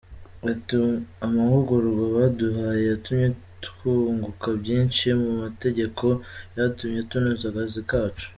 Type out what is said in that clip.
Ati “Amahugurwa baduhaye yatumye twunguka byishi mu by’amategeko byatumye tunoza akazi kacu.